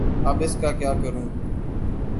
اب اس کا کیا کروں؟